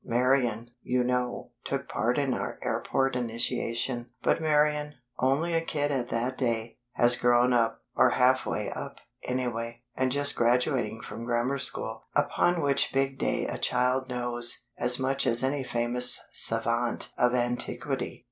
Marian, you know, took part in our airport initiation. But Marian, only a kid at that day, has grown up or half way up, anyway, and just graduating from Grammar School; upon which big day a child "knows" as much as any famous savant of antiquity!